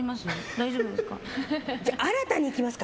大丈夫ですか。